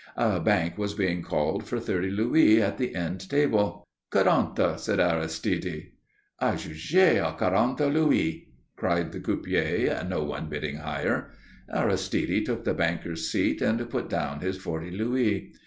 A bank was being called for thirty louis at the end table. "Quarante," said Aristide. "Ajugé à quarante louis," cried the croupier, no one bidding higher. Aristide took the banker's seat and put down his forty louis.